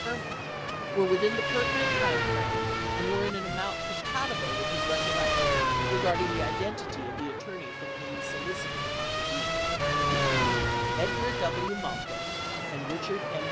Perman, were within the pertinent time frame, and were in an amount compatible with his recollection regarding the identity of the attorney from whom he solicited a contribution. Name Amount Date Edgar W. Malkin and Richard M.